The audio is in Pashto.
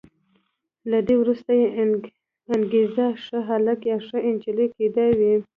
له دې وروسته یې انګېزه ښه هلک یا ښه انجلۍ کېدل وي.